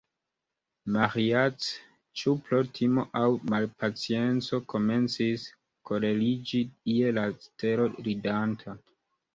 Maĥiac, ĉu pro timo aŭ malpacienco, komencis koleriĝi je la stelo ridanta.